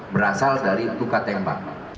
berasal dari luka tembak